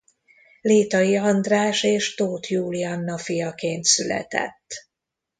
Létai András és Tóth Julianna fiaként született.